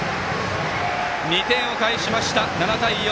２点を返しました、７対４。